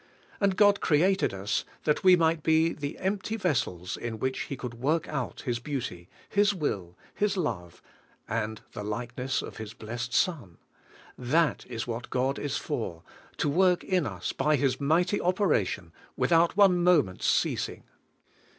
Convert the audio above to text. And God created rs, that we might be the empty vessels in which He could work out His beauty. His will, His love, and the likeness of His blessed Son. That is 44 WAITING ON GOD what God is for, to work in us by His mighty operation, without one moment's ceasing.